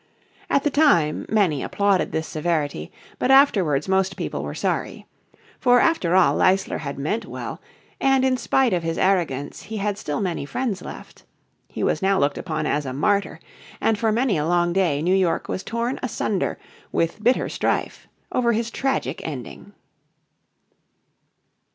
At the time many applauded this severity, but afterwards most people were sorry. For after all Leisler had meant well, and in spite of his arrogance he had still many friends left. He was now looked upon as a martyr, and for many a long day New York was torn asunder with bitter strife over his tragic ending.